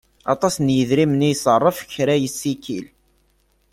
Aṭas n yedrimen i iṣerref kra yessikil.